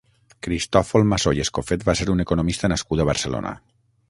Cristòfol Massó i Escofet va ser un economista nascut a Barcelona.